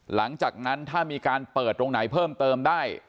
หลังจากนั้นถ้ามีการเปิดตรงไหนเพิ่มเติมได้